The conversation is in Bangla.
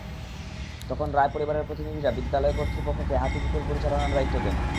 তখন রায় পরিবারের প্রতিনিধিরা বিদ্যালয় কর্তৃপক্ষকে হাতি পুকুর পরিচালনার দায়িত্ব দেন।